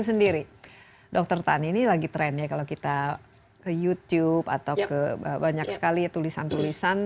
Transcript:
kek teleponan ini lagi trennya kalau kita ke youtube atau banyak sekali tulisan tulisan